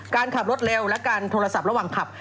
การขับรถเร็วและการโทรศัพท์ระหว่างขับ